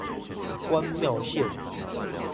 關廟線